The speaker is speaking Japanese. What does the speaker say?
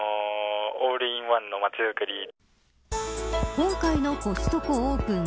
今回のコストコオープン。